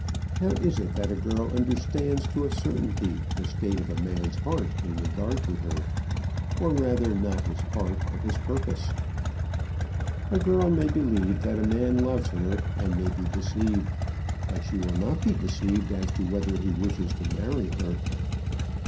How is it that a girl understands to a certainty the state of a man's heart in regard to her, or rather, not his heart, but his purpose? A girl may believe that a man loves her, and may be deceived; but she will not be deceived as to whether he wishes to marry her.